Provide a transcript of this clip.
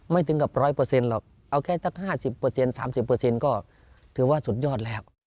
ไม่ถึงกับร้อยเปอร์เซ็นต์หรอกเอาแค่ตั้ง๕๐เปอร์เซ็นต์๓๐เปอร์เซ็นต์ก็ถือว่าสุดยอดแล้ว